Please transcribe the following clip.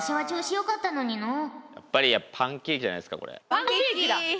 パンケーキだ。